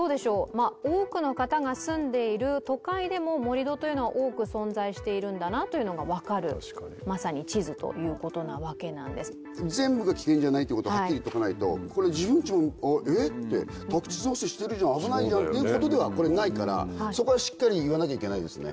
まあ多くの方が住んでいる都会でも盛り土というのは多く存在しているんだなというのが分かるまさに地図ということなわけなんですこれ自分ちもあっえっ宅地造成してるじゃん危ないじゃんっていうことではこれないからそこはしっかり言わなきゃいけないですね